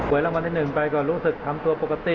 รางวัลที่๑ไปก็รู้สึกทำตัวปกติ